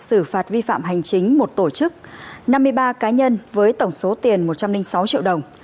xử phạt vi phạm hành chính một tổ chức năm mươi ba cá nhân với tổng số tiền một trăm linh sáu triệu đồng